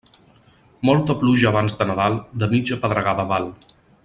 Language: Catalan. Molta pluja abans de Nadal, de mitja pedregada val.